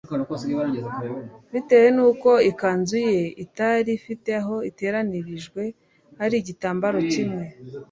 Bitewe nuko ikanzu ye itari ifite aho iteranirijwe ari igitambaro kimwe,